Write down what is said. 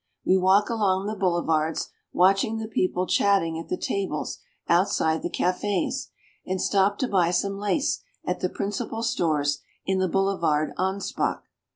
We walk along the boulevards, watching the people chatting at the tables outs ide the cafes ; and stop to buy some lace at the principal stores in the Boulevard Anspach.